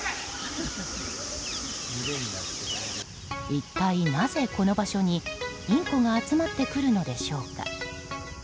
一体なぜこの場所にインコが集まってくるのでしょうか。